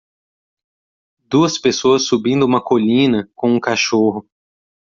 Duas pessoas subindo uma colina com um cachorro.